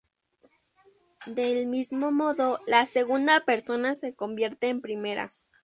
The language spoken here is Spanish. Del mismo modo, la segunda persona se convierte en primera.